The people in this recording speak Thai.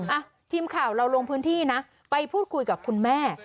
อ่ะทีมข่าวเราลงพื้นที่นะไปพูดคุยกับคุณแม่